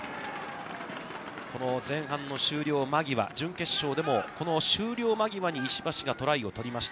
この前半の終了間際、準決勝でも、この終了間際に石橋がトライを取りました。